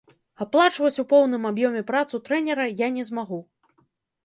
Аплачваць у поўным аб'ёме працу трэнера я не змагу.